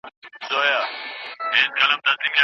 بې ځایه سوي د پوره قانوني خوندیتوب حق نه لري.